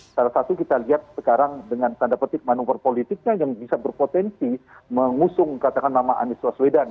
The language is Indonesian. salah satu kita lihat sekarang dengan tanda petik manuver politiknya yang bisa berpotensi mengusung katakan nama anies waswedan